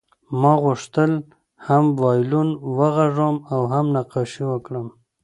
ما غوښتل هم وایلون وغږوم او هم نقاشي وکړم